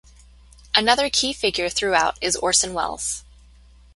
Another key figure throughout is Orson Welles.